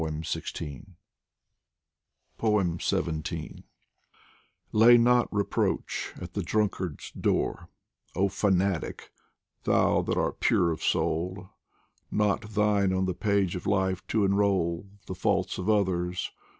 XVII LAV not reproach at the drunkard's door Oh Fanatic, thou that art pure of soul ; Not thine on the page of life to enrol The faults of others